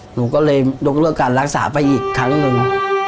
หนูก็เลยยกเลิกการรักษาไปอีกครั้งหนึ่ง